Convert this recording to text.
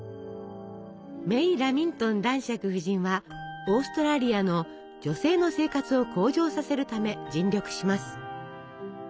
メイ・ラミントン男爵夫人はオーストラリアの女性の生活を向上させるため尽力します。